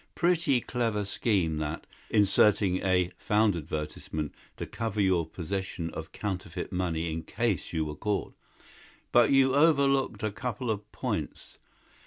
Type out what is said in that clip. Pretty clever scheme, that. Inserting a 'found advertisement' to cover your possession of counterfeit money in case you were caught. But you overlooked a couple of points.